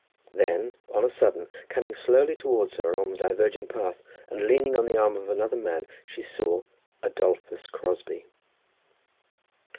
Then, on a sudden, coming slowly towards her along the diverging path and leaning on the arm of another man, she saw, Adolphus Crosbie.